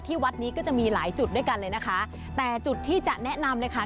วัดนี้ก็จะมีหลายจุดด้วยกันเลยนะคะแต่จุดที่จะแนะนำเลยค่ะ